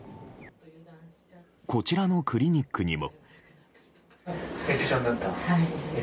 こちらのクリニックにも。